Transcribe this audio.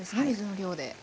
水の量で。